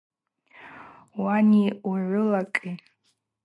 Уани угӏвылакӏи.